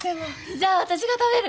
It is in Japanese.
じゃあ私が食べる。